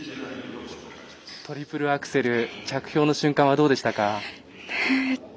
トリプルアクセル着氷の瞬間はどうでしたか。